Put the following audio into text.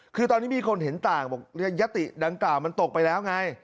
คือตอนนี้มีคนเห็นต่างบอกยติดังกล่าวมันตกไปแล้วไง